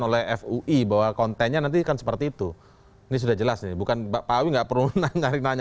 oleh fui bahwa kontennya nantikan seperti itu ini sudah jelas bukan bapak nggak perlu nanya nanya